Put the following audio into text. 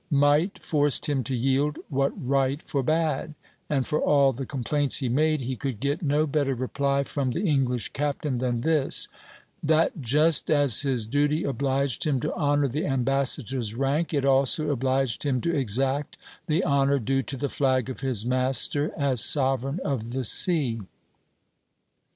Might forced him to yield what right forbade, and for all the complaints he made he could get no better reply from the English captain than this: 'That just as his duty obliged him to honor the ambassador's rank, it also obliged him to exact the honor due to the flag of his master as sovereign of the sea.'